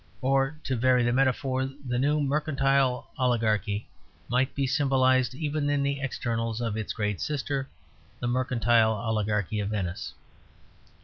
Or, to vary the metaphor, the new mercantile oligarchy might be symbolized even in the externals of its great sister, the mercantile oligarchy of Venice.